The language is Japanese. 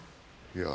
いや。